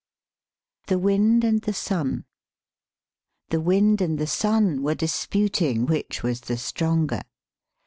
THE WIND AND THE SUN The wind and the sun were disputing which was the stronger.